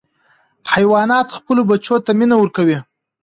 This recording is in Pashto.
حیوانات خپلو بچیو ته مینه ورکوي.